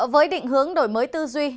với định hướng đổi mới tư duy